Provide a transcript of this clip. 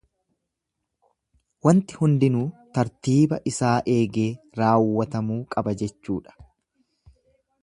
Wanti hunduu tartiiba isaa eegee raawwatamuu qaba jechuudha.